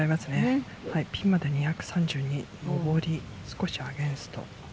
ピンまで２３２、上り、少しアゲンスト。